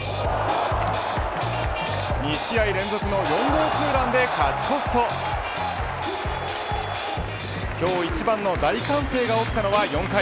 ２試合連続の４号ツーランで勝ち越すと今日一番の大歓声が起きたのは４回。